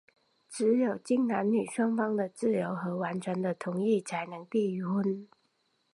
只有经男女双方的自由和完全的同意,才能缔婚。